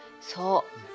そう。